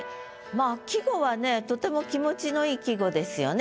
まあ季語はねとても気持ちの良い季語ですよね。